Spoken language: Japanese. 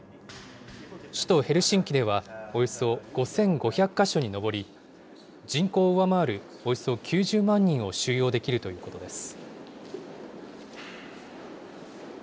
首都ヘルシンキではおよそ５５００か所に上り、人口を上回るおよそ９０万人を収容できるということです。